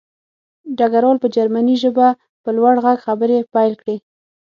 ډګروال په جرمني ژبه په لوړ غږ خبرې پیل کړې